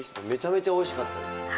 めちゃめちゃおいしかったです。